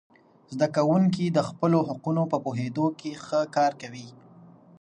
زده کوونکي د خپلو حقونو په پوهیدو کې ښه کار کوي.